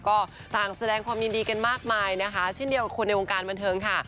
ก็ต่างแสดงความยินดีกันมากมายนะคะเช่นเดียวกับคนในวงการบันเทิงค่ะ